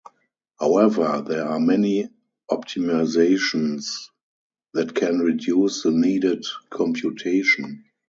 However, there are many optimizations that can reduce the needed computation.